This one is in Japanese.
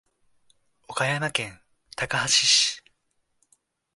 岡山県高梁市